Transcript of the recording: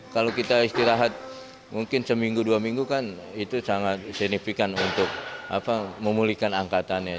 kalau kita istirahat mungkin seminggu dua minggu kan itu sangat signifikan untuk memulihkan angkatannya